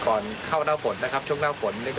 โบราณเชิด